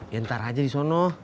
ya ntar aja disono